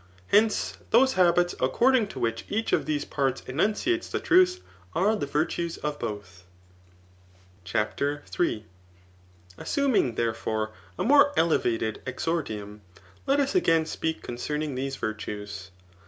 Hence, those habits according to which each of these parts enunciates the truth are the virtues of both. CHAPTER III. Assuming, therefore, a more elevated exordium, let us again speak concerning these virtues.